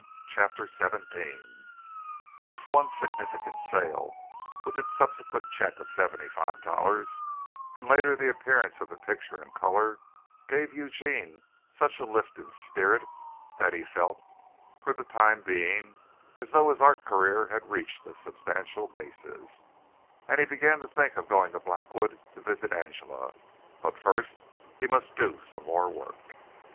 CHAPTER XVII This one significant sale with its subsequent check of seventy five dollars and later the appearance of the picture in color, gave Eugene such a lift in spirit that he felt, for the time being, as though his art career had reached a substantial basis, and he began to think of going to Blackwood to visit Angela. But first he must do some more work.